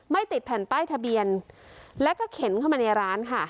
ติดแผ่นป้ายทะเบียนแล้วก็เข็นเข้ามาในร้านค่ะ